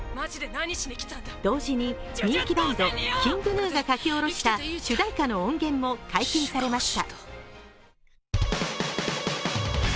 同時に、人気バンド、ＫｉｎｇＧｎｕが書き下ろした主題歌の音源も解禁されました。